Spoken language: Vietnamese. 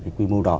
cái quy mô đỏ